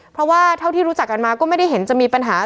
เพราะว่าเท่าที่รู้จักกันมาก็ไม่ได้เห็นจะมีปัญหา